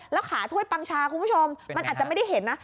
แล้วขาถ้วยปังชาคุณผู้ชมมันอาจจะไม่ได้เห็นนะ